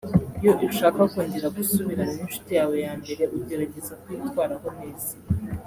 Iyo ushaka kongera gusubirana n’inshuti yawe yambere ugerageza kuyitwaraho neza